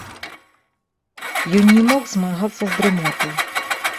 Ён не мог змагацца з дрымотай.